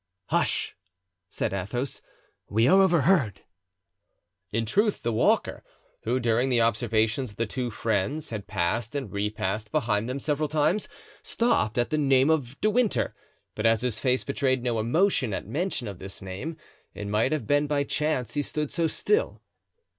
"Hush!" said Athos, "we are overheard." In truth, the walker, who, during the observations of the two friends, had passed and repassed behind them several times, stopped at the name of De Winter; but as his face betrayed no emotion at mention of this name, it might have been by chance he stood so still.